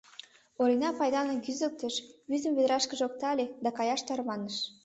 Орина пайданым кӱзыктыш, вӱдым ведрашкыже оптале да каяш тарваныш.